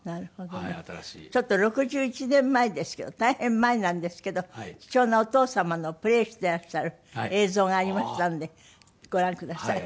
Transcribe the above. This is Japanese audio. ちょっと６１年前ですけど大変前なんですけど貴重なお父様のプレーしてらっしゃる映像がありましたのでご覧ください。